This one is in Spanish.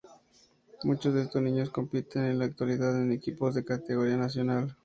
Muchos de estos niños compiten, en la actualidad, en equipos de categoría nacional.